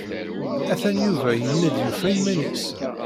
Atan Yuba yenna-d yufa iman-is.